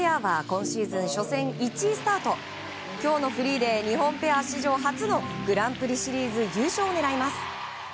今日のフリーで日本ペア史上初のグランプリシリーズ優勝を狙います。